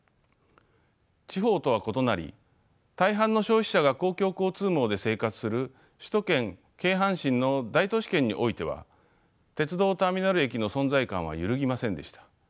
地方とは異なり大半の消費者が公共交通網で生活する首都圏京阪神の大都市圏においては鉄道ターミナル駅の存在感は揺るぎませんでした。